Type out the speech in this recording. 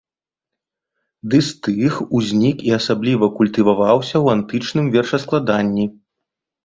Дыстых узнік і асабліва культываваўся ў антычным вершаскладанні.